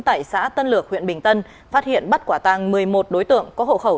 tại xã tân lược huyện bình tân phát hiện bắt quả tàng một mươi một đối tượng có hộ khẩu